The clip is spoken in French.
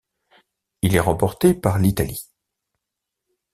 Il est remporté par l'Italie.